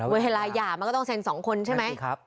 เวลาหย่ามันก็ต้องเซ็น๒คนใช่ไหม